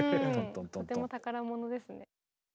とても宝物ですね。